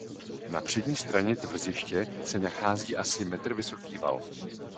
Na přední straně tvrziště se nachází asi jeden metr vysoký val.